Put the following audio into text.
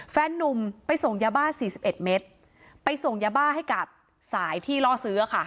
แฟนนุ่มไปส่งยาบ้า๔๑เมตรไปส่งยาบ้าให้กับสายที่ล่อซื้อค่ะ